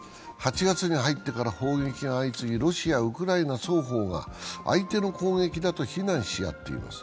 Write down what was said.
８月に入ってから砲撃が相次ぎ、ロシア、ウクライナ双方が相手の攻撃だと非難し合っています。